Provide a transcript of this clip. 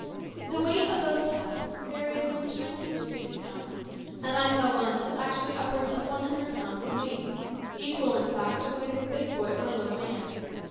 The weight of those tusks varied from twenty to fifty pounds, and I saw one that was actually upwards of one hundred pounds in weight equal, in fact, to the weight of a big boy or a little man.